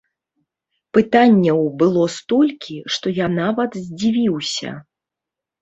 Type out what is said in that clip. Пытанняў было столькі, што я нават здзівіўся.